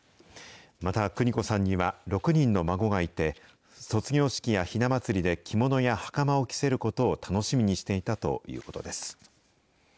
また、邦子さんには６人の孫がいて、卒業式やひな祭りで、着物やはかまを着せることを楽しみにしていたということです。